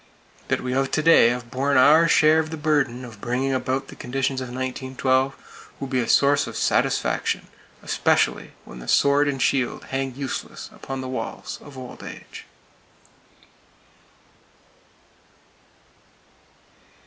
That we of to day have borne our share of the burden of bringing about the conditions of 1912, will be a source of satisfaction, especially when the sword and shield hang useless upon the walls of Old Age.